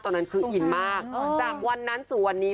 ตอนนั้นคืออินมากจากวันนั้นสู่วันนี้